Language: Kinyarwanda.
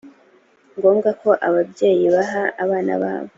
ngombwa ko ababyeyi baha abana babo